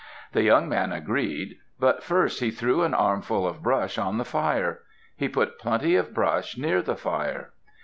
The young man agreed. But first he threw an armful of brush on the fire. He put plenty of brush near the fire.